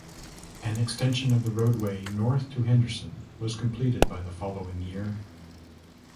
An extension of the roadway north to Henderson was completed by the following year.